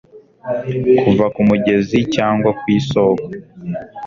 Kuva ku mugezi cyangwa ku isoko